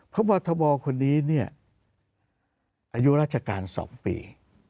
พบทบคนนี้เนี่ยอายุราชการ๒ปี